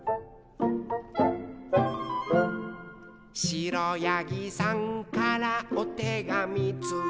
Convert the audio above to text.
「しろやぎさんからおてがみついた」